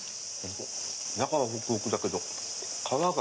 中はホクホクだけど皮が。